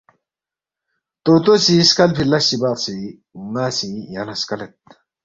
طوطو سی سکلفی لس چی بقچی ن٘ا سی یانگ لہ سکلید